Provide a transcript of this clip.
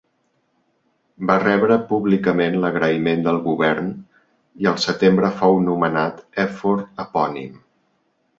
Va rebre públicament l'agraïment del govern i el setembre fou nomenat èfor epònim.